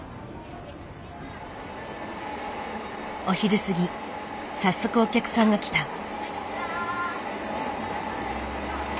お昼過ぎ早速お客さんが来た。